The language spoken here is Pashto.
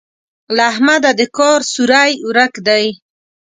له احمده د کار سوری ورک دی.